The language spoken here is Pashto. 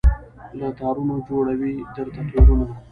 له تارونو جوړوي درته تورونه